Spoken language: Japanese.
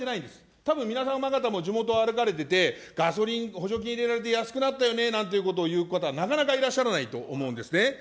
たぶん、皆様方も地元歩かれてて、ガソリン、補助金入れられて安くなったよねと言われる方々はなかなかいられないと思うんですね。